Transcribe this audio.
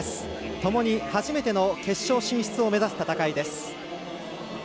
ともに初めての決勝進出を目指す戦いです。